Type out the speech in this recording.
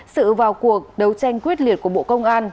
sự vào cuộc đấu tranh quyết liệt của bộ công an